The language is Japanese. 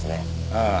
ああ。